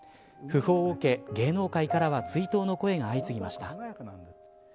訃報を受け、芸能界からは追悼の声が相次ぎました。